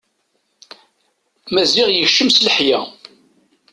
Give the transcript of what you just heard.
Maziɣ yekcem s leḥya.